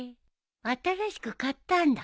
新しく買ったんだ。